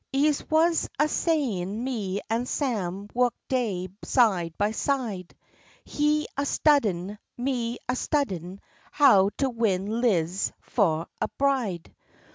Ez I wuz a sayin', me an' Sam wuked daily side by side, He a studyin', me a studyin', how to win Lize fu' a bride.